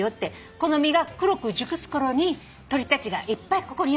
この実が黒く熟すころに鳥たちがいっぱいここにやって来るから。